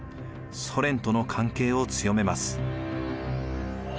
ソ連との関係を強めます。